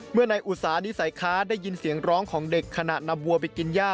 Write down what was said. เมื่อในอุตสานิสัยค้าได้ยินเสียงร้องของเด็กขนาดนับวัวไปกินยา